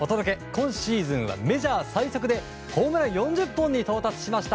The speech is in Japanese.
今シーズンはメジャーリーグ最速でホームラン４０本に到達しました。